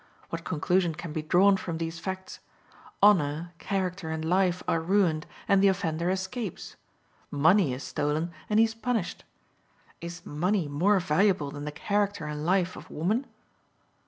What conclusion can be drawn from these facts? Honor, character, and life are ruined, and the offender escapes: money is stolen, and he is punished! Is money more valuable than the character and life of woman?